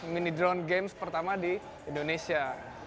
mini drone games pertama di indonesia